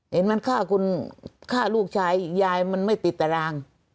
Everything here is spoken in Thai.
เห็นมันฆ่าลูกชายยายมันไม่ติดตาราง